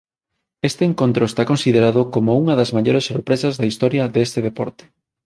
Este encontro está considerado como unha das maiores sorpresas da historia deste deporte.